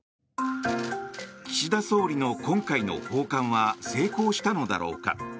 岸田総理の今回の訪韓は成功したのだろうか。